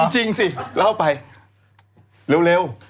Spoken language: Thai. จริงสิเล่าไปเร็ว